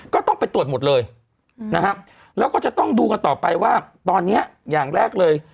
ก็ต้องไปตรวจหมดเลยนะครับแล้วก็จะต้องดูกันต่อไปว่าตอนนี้อย่างแรกเลย